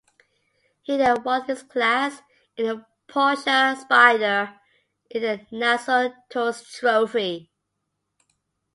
He then won his class in a Porsche Spyder in the Nassau Tourist Trophy.